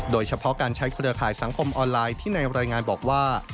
โดยเฉพาะการใช้เครือข่ายสังคมออนไลน์ที่ในรายงานบอกว่า